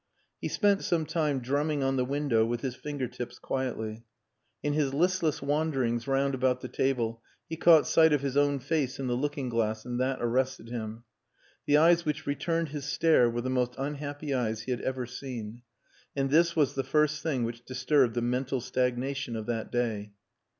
He spent some time drumming on the window with his finger tips quietly. In his listless wanderings round about the table he caught sight of his own face in the looking glass and that arrested him. The eyes which returned his stare were the most unhappy eyes he had ever seen. And this was the first thing which disturbed the mental stagnation of that day.